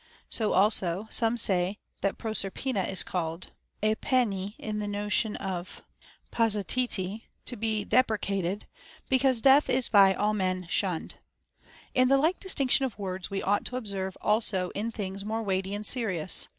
So also some say that Proserpina is called ίπαινή in the notion of παοαιτιμη, to be dejjrecated, because death is by all men shunned. And the like distinction of words we ought to observe also in things more weighty and serious.